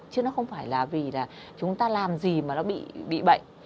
chứ nó không phải là vì là chúng ta làm gì mà nó bị bệnh